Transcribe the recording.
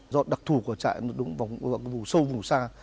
do đặc thù của chạy nó đúng vào vùng sâu vùng xa